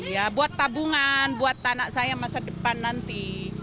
ya buat tabungan buat anak saya masa depan nanti